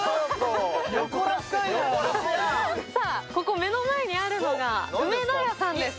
ここ、目の前にあるのがうめだ屋さんです。